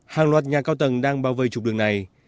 hàng loạt nhà cao tầng đang bao vây trục đường này